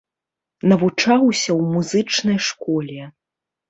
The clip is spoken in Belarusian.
Навучаўся ў музычнай школе.